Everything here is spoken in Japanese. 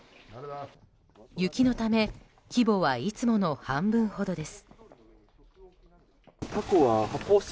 雪のため規模はいつもの半分ほどです。